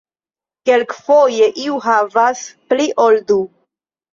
Kelkfoje iu havas pli ol du.